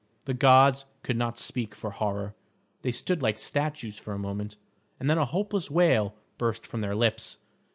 The gods could not speak for horror. They stood like statues for a moment, and then a hopeless wail burst from their lips.